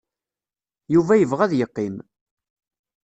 Yuba yebɣa ad yeqqim.